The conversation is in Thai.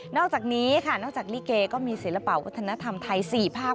อกจากนี้ค่ะนอกจากลิเกก็มีศิลปะวัฒนธรรมไทย๔ภาค